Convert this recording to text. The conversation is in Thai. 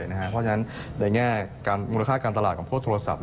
เพราะฉะนั้นในแง่มูลค่าการตลาดของพวกโทรศัพท์